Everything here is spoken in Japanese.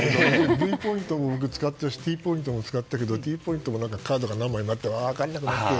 Ｖポイントもよく使っているしＴポイントも使っているけどＴポイントのカードが何枚かあって分からなくなって。